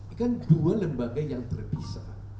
ini kan dua lembaga yang terpisah